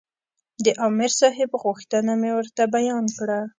د عامر صاحب غوښتنه مې ورته بیان کړه.